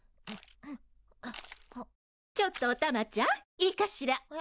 ちょっとおたまちゃんいいかしら？